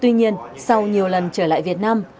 tuy nhiên sau nhiều lần trở về việt nam